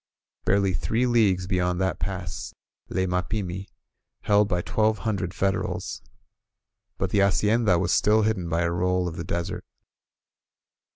Barely three leagues beyond that pass lay Mapimi, held by twelve hundred Federals. But the hacienda was still hidden by a roll of the desert.